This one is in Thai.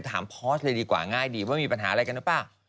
พอร์สเลยดีกว่าง่ายดีว่ามีปัญหาอะไรกันหรือเปล่า